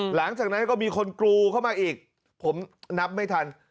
หลังจากนั้นก็มีคนกรูเข้ามาอีกผมนับไม่ทัน